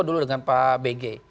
dulu dengan pak bg